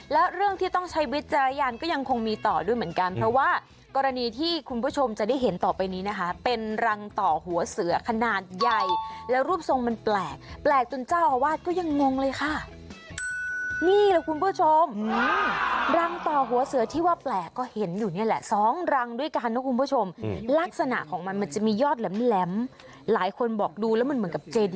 แล้วเรื่องที่ต้องใช้วิจารณญาณก็ยังคงมีต่อด้วยเหมือนกันเพราะว่ากรณีที่คุณผู้ชมจะได้เห็นต่อไปนี้นะคะเป็นรังต่อหัวเสือขนาดใหญ่แล้วรูปทรงมันแปลกแปลกจนเจ้าอาวาสก็ยังงงเลยค่ะนี่แหละคุณผู้ชมรังต่อหัวเสือที่ว่าแปลกก็เห็นอยู่นี่แหละสองรังด้วยกันนะคุณผู้ชมลักษณะของมันมันจะมียอดแหลมหลายคนบอกดูแล้วมันเหมือนกับเจน